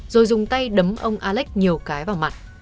rồi dùng tay đấm ông alex nhiều cái vào mặt